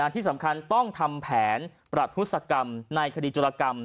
ที่สำคัญต้องทำแผนประทุศกรรมในคดีจุรกรรม